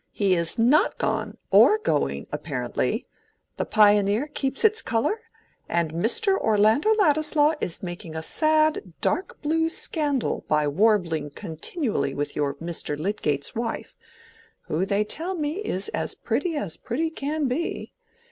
"He is not gone, or going, apparently; the 'Pioneer' keeps its color, and Mr. Orlando Ladislaw is making a sad dark blue scandal by warbling continually with your Mr. Lydgate's wife, who they tell me is as pretty as pretty can be.